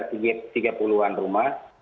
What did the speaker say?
tiga puluh an rumah